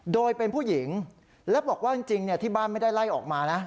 โดยเป็นผู้หญิงและบอกว่าจริงที่บ้านไม่ได้ไล่ออกมานะ